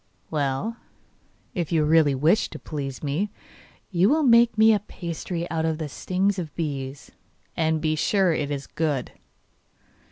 'Well, if you really wish to please me you will make me a pasty out of the stings of bees, and be sure it is good.